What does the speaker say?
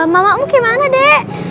mamamu kemana dek